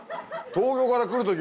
東京から来る時